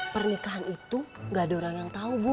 pernikahan itu gak ada orang yang tahu bu